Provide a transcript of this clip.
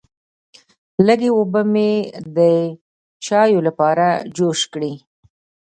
لږې اوبه مې د چایو لپاره جوش کړې.